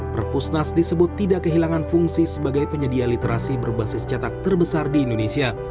perpusnas disebut tidak kehilangan fungsi sebagai penyedia literasi berbasis cetak terbesar di indonesia